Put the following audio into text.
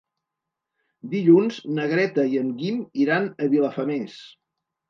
Dilluns na Greta i en Guim iran a Vilafamés.